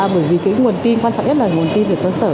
bởi vì cái nguồn tin quan trọng nhất là nguồn tin về cơ sở